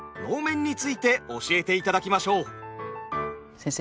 先生